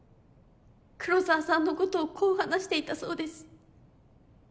黒澤さんのことをこう話していたそうです。